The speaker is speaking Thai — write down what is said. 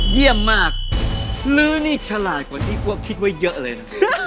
เยี่ยมมากลื้อนี่ฉลาดกว่าที่พวกคิดไว้เยอะเลยนะ